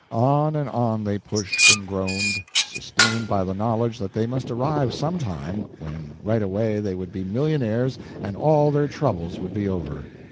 On and on they pushed and groaned, sustained by the knowledge that they must arrive some time, when right away they would be millionaires and all their troubles would be over.